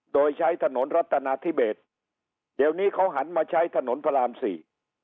โดยใช้ถนนรัฐนาธิเบสเดี๋ยวนี้เขาหันมาใช้ถนนพระรามสี่